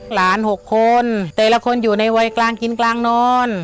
๖คนแต่ละคนอยู่ในวัยกลางกินกลางนอน